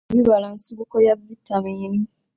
Ebibala nsibuko ya vitamiini.